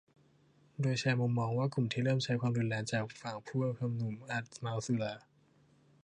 โดยแชร์มุมมองว่ากลุ่มที่เริ่มใช้ความรุนแรงจากฝั่งผู้ชุมนุมอาจเมาสุรา